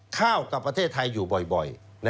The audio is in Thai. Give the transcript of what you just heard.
ข้าวกับประเทศไทยอยู่บ่อย